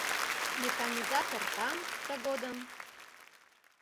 Механизатор таҥ, тыгодым